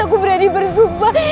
aku berani bersumpah